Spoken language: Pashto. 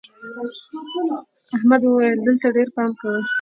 احمد وويل: دلته ډېر پام کوه.